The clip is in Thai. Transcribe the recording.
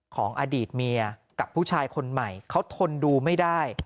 ของอดีตเมียกับผู้ชายคนใหม่เขาทนดูไม่ได้